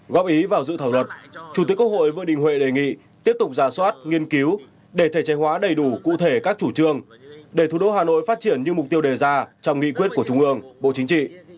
góp ý vào dự thảo luật chủ tịch quốc hội vương đình huệ đề nghị tiếp tục giả soát nghiên cứu để thể chế hóa đầy đủ cụ thể các chủ trương để thủ đô hà nội phát triển như mục tiêu đề ra trong nghị quyết của trung ương bộ chính trị